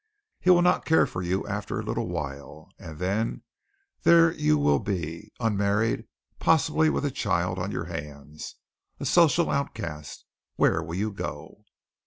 He will not care for you after a little while, and then there you will be, unmarried, possibly with a child on your hands, a social outcast! Where will you go?"